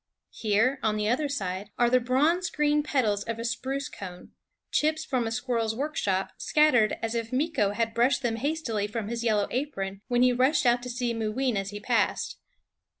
Here, on the other side, are the bronze green petals of a spruce cone, chips from a squirrel's workshop, scattered as if Meeko had brushed them hastily from his yellow apron when he rushed out to see Mooween as he passed.